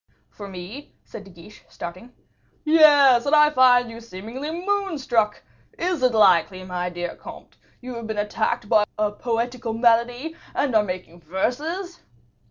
"For me?" said De Guiche, starting. "Yes; and I find you seemingly moon struck. Is it likely, my dear comte, you have been attacked by a poetical malady, and are making verses?"